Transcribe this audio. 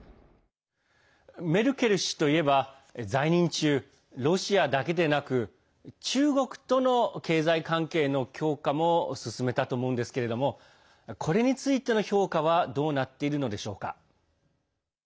メルケル氏といえば在任中、ロシアだけでなく中国との経済関係の強化も進めたと思うんですけれどもこれについての評価はどうなっているのでしょうか。